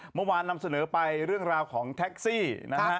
นำเสนอไปเรื่องราวของแท็กซี่นะฮะ